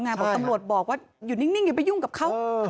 บอกตำรวจบอกว่าอยู่นิ่งอย่าไปยุ่งกับเขา